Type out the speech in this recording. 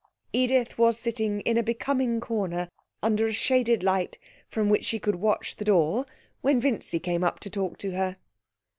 Edith was sitting in a becoming corner under a shaded light from which she could watch the door, when Vincy came up to talk to her.